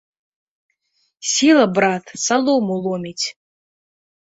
Сіла, брат, салому ломіць!